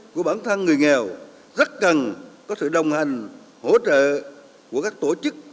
của bản thân người nghèo rất cần có sự đồng hành hỗ trợ của các tổ chức